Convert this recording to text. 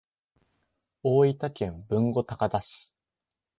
大分県豊後高田市